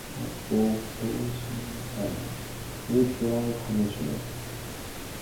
Patrick portrayed a neutral commissioner.